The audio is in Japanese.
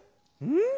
うん？